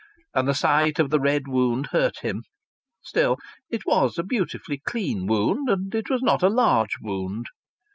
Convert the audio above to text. And the sight of the red wound hurt him. Still, it was a beautifully clean wound, and it was not a large wound.